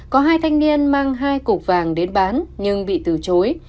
có hai thanh niên mang hai cục vàng đến bán nhưng bị từ chối